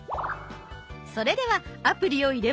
それではアプリを入れましょう。